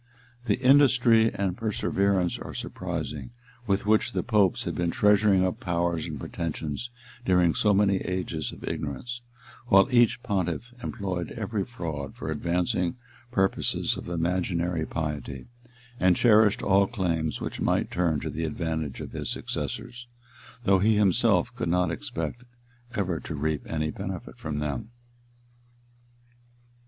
{1076.} The industry and perseverance are surprising, with which the popes had been treasuring up powers and pretensions during so many ages of ignorance; while each pontiff employed every fraud for advancing purposes of imaginary piety, and cherished all claims which might turn to the advantage of his successors, though he himself could not expect ever to reap any benefit from them.